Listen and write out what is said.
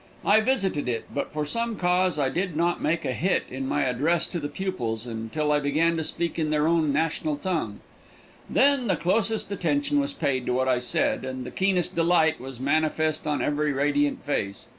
I visited it, but for some cause I did not make a hit in my address to the pupils until I began to speak in their own national tongue. Then the closest attention was paid to what I said, and the keenest delight was manifest on every radiant face.